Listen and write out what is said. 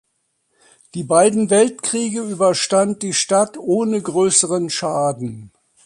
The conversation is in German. Die beiden Weltkriege überstand die Stadt ohne größeren Schaden.